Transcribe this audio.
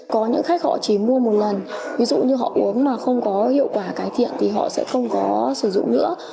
có những khách họ chỉ mua một lần ví dụ như họ uống mà không có hiệu quả cải thiện thì họ sẽ không có sử dụng nữa